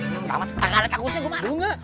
yang tamat setengah alat takutnya gue marah